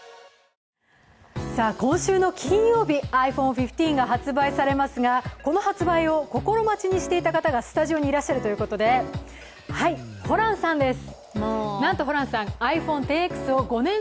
今週の金曜日、ｉＰｈｏｎｅ１５が発売されますがこの発売を心待ちにしていた方がスタジオにいらっしゃるということではい、ホランさんです。